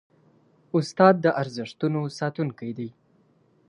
استاد د ارزښتونو ساتونکی دی.